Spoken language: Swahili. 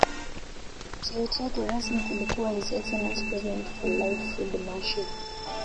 Cheo chake rasmi kilikuwa His Excellency President for Life Field Marshal